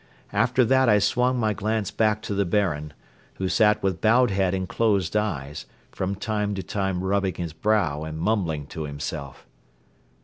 After that I swung my glance back to the Baron, who sat with bowed head and closed eyes, from time to time rubbing his brow and mumbling to himself.